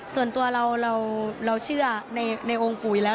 ส่วนตัวเราเชื่อในองค์ปู่อยู่แล้ว